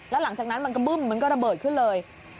แล้วหลังจากนั้นมันก็บึ้มมันก็ระเบิดขึ้นเลย